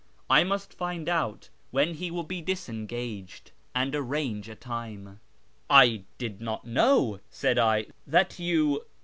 I must find out when he will he disengaged, and arransTe a time." " 1 did not know," said I, " that you